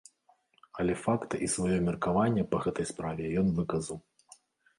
Але факты і сваё меркаванне па гэтай справе ён выказаў.